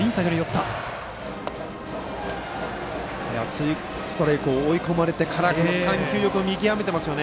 ツーストライクと追い込まれてから３球、見極めていますよ。